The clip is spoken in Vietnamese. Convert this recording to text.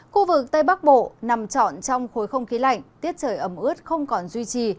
khu vực tây bắc bộ nằm trọn trong khối không khí lạnh tiết trời ấm ướt không còn duy trì